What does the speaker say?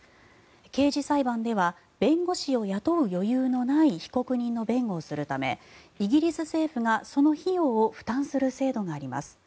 刑事裁判では弁護士を雇う余裕のない被告人の弁護をするためイギリス政府がその費用を負担する制度があります。